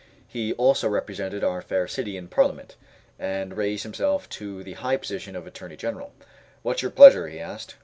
He also represented our fair city in Parliament, and raised himself to the high position of Attorney General. "What's your pleasure?" he asked.